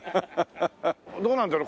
どうなんだろう？